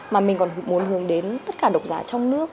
mà mình còn muốn hướng đến tất cả độc giả trong nước